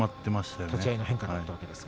立ち合いの変化があったわけですね。